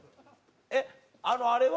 えっあのあれは？